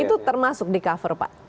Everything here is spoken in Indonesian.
itu termasuk di cover pak